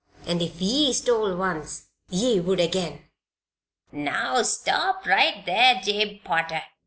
"And if ye stole once ye would again " "Now stop right there, Jabe Potter!"